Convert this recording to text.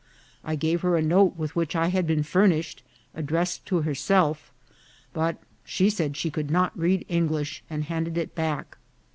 I gave her a note with which I had been fur nished, addressed to herself; but she said she could not read English, and handed it back.